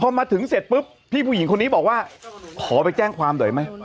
พอมาถึงเสร็จปุ๊บพี่ผู้หญิงคนนี้บอกว่าขอไปแจ้งความหน่อยไหม